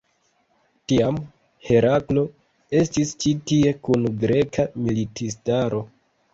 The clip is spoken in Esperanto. Tiam Heraklo estis ĉi tie kun greka militistaro.